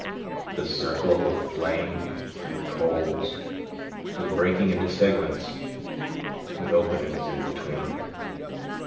The circle of flame and coals was breaking into segments with openings in between.